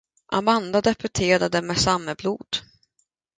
Amanda debuterade med Sameblod.